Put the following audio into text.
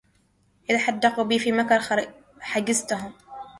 إذا أحدقوا بي في المكر حجزتهم